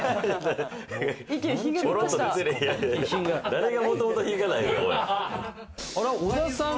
誰がもともと品がないねん。